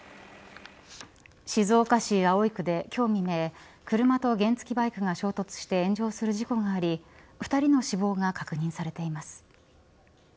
静岡市葵区で今日未明車と原付バイクが衝突して炎上する事故があり２人の死亡が確認されています。